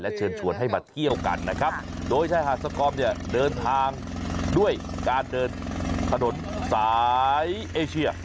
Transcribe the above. เชิญชวนให้มาเที่ยวกันนะครับโดยชายหาดสกอร์มเนี่ยเดินทางด้วยการเดินถนนสายเอเชีย